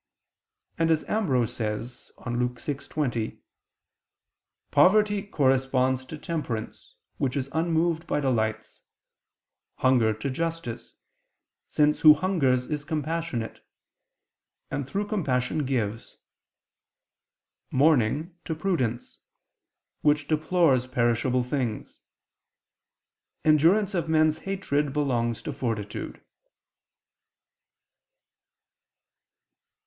And as Ambrose says on Luke 6:20, "poverty corresponds to temperance, which is unmoved by delights; hunger, to justice, since who hungers is compassionate and, through compassion gives; mourning, to prudence, which deplores perishable things; endurance of men's hatred belongs to fortitude."